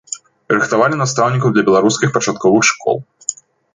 Рыхтавалі настаўнікаў для беларускіх пачатковых школ.